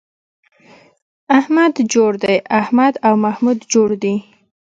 احمد جوړ دی → احمد او محمود جوړ دي